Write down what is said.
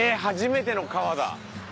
初めての川だ。